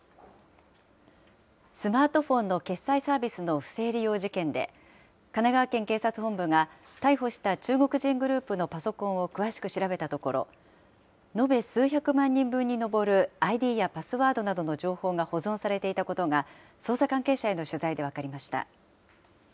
スマートフォンの決済サービスの不正利用事件で、神奈川県警察本部が逮捕した中国人グループのパソコンを詳しく調べたところ、延べ数百万人分に上るＩＤやパスワードなどの情報が保存されていたことが、捜査関係者への取材で分かりました。